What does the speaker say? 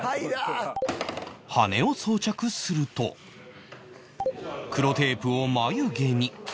羽を装着すると黒テープを眉毛に